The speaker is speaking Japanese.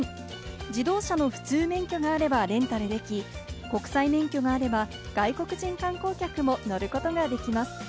自動車の普通免許があればレンタルでき、国際免許があれば外国人観光客も乗ることができます。